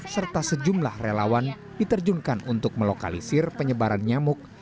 serta sejumlah relawan diterjunkan untuk melokalisir penyebaran nyamuk